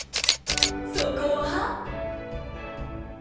そこは。